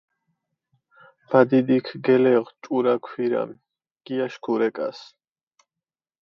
ბადიდიქ გელეღჷ ჭურა ქვირამი, გიაშქუ რეკას.